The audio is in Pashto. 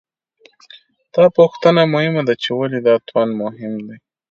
دا پوښتنه مهمه ده، چې ولې دا توان مهم دی؟